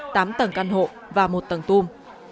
tám tầng căn hộ và một tầng tùm